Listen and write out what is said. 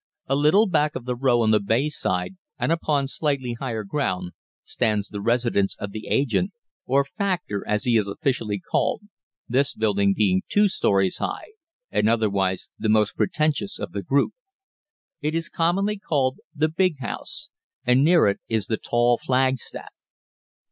A little back of the row on the bay side, and upon slightly higher ground, stands the residence of the agent, or factor as he is officially called, this building being two stories high and otherwise the most pretentious of the group. It is commonly called the "Big House," and near it is the tall flagstaff.